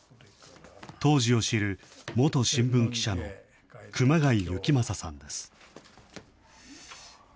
当時を知る元新聞記者の熊谷行雄さんです。